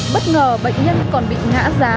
bất ngờ bệnh nhân còn bị ngã giá